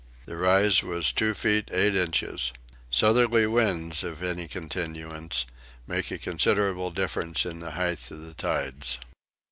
The rise was two feet eight inches. Southerly winds, if of any continuance, make a considerable difference in the height of the tides.